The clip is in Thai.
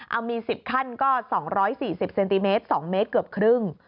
เอามี๑๐ขั้นก็๒๔๐เซนติเมตร๒เมตรเกือบครึ่ง